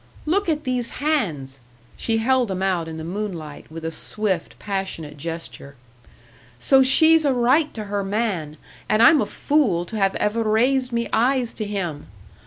Look at these hands!" She held them out in the moonlight, with a swift, passionate gesture. "So she's a right to her man, and I'm a fool to have ever raised me eyes to him!